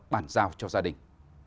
bản giao cho gia đình